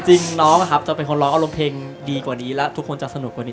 จริงน้องนะครับจะเป็นคนร้องอารมณ์เพลงดีกว่านี้แล้วทุกคนจะสนุกกว่านี้